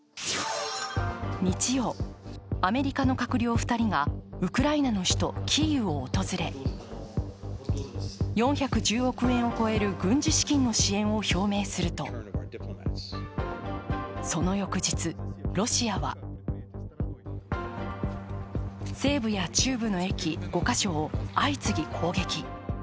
日曜、アメリカの閣僚２人がウクライナの首都キーウを訪れ、４１０億円を超える軍事資金の支援を表明すると、その翌日ロシアは西部や中部の駅５カ所を相次ぎ攻撃。